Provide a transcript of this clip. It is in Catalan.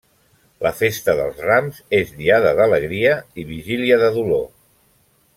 «La festa dels Rams és diada d'alegria i vigília de dolor».